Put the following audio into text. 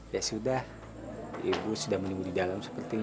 ya sudah ibu sudah menunggu di dalam sepertinya